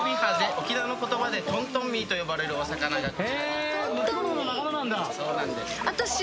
沖縄の言葉でトントンミーと呼ばれるお魚です。